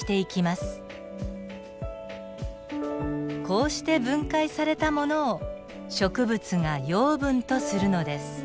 こうして分解されたものを植物が養分とするのです。